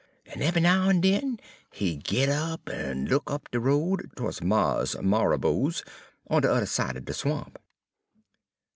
En eve'y now en den he 'd git up en look up de road to'ds Mars' Marrabo's on de udder side er de swamp.